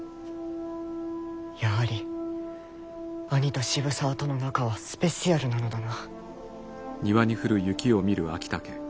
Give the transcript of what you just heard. やはり兄と渋沢との仲はスペシアルなのだな。